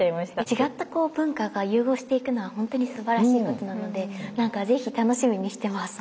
違った文化が融合していくのはほんとにすばらしいことなので何か是非楽しみにしてます。